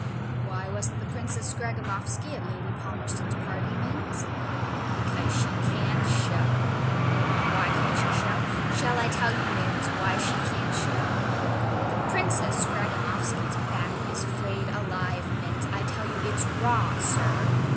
Why wasn't the Princess Scragamoffsky at Lady Palmerston's party, Minns? Because SHE CAN'T SHOW why can't she show? Shall I tell you, Minns, why she can't show? The Princess Scragainoffsky's back is flayed alive, Minns I tell you it's raw, sir!